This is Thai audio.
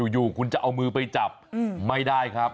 อยู่คุณจะเอามือไปจับไม่ได้ครับ